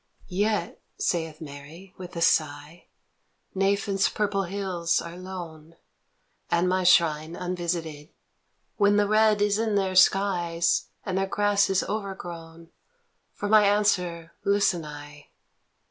" Yet," saith Mary, with a sigh, " Nephin's purple hills are lone, And my shrine unvisited. When the red is in their skies, And their grass is overgrown, For my answer listen I."